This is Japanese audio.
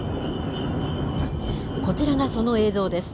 こちらがその映像です。